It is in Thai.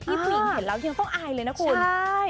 ผู้หญิงเห็นแล้วยังต้องอายเลยนะคุณใช่